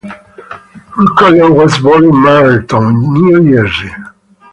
Ruccolo was born in Marlton, New Jersey.